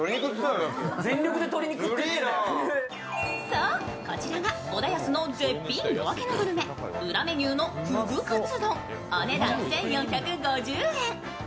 そう、こちらが小田保の絶品夜明けのグルメ、裏メニューのふぐカツ丼お値段１４５０円。